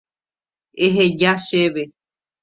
Eheja chéve.